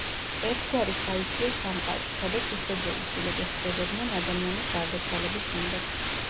ერთგვარი საიქიო სამყარო, სადაც უცოდველი სულები ხვდებოდნენ ადამიანის გარდაცვალების შემდეგ.